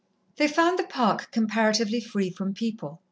They found the Park comparatively free from people.